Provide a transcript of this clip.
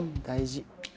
大事。